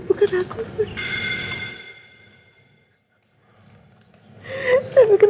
tapi kenapa harus aku yang ngelakuin disimul